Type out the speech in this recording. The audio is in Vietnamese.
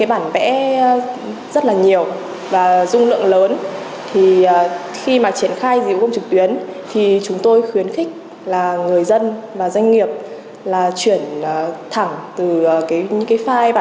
sang thẳng file pdf để có thể thực hiện việc ký số giúp cho người dân và doanh nghiệp giảm được rất nhiều